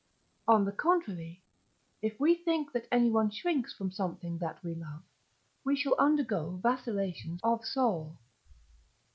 On the contrary, if we think that anyone shrinks from something that we love, we shall undergo vacillations of soul.